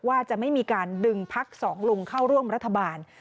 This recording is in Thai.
ว่าจะไม่มีการดึงพักสองลุงเข้าร่วมรัฐบาล